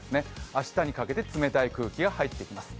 明日にかけて冷たい空気が入ってきます。